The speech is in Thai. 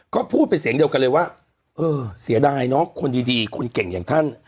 ก็พูดเป็นเสียงเดียวกันเลยว่าเออเสียดายเนอะคนดีคนเก่งอย่างท่าน